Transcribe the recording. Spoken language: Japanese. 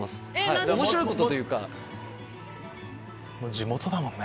地元だもんね。